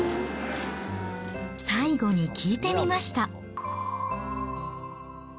最後に聞いてみました。